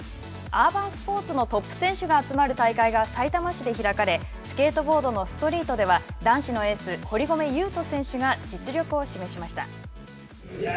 アーバンスポーツのトップ選手が集まる大会がさいたま市で開かれスケートボードのストリートでは男子のエース堀米雄斗選手が実力を示しました。